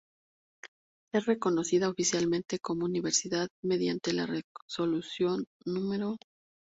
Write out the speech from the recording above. Es reconocida oficialmente como Universidad mediante la Resolución No.